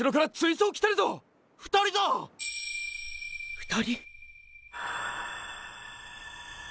「２人」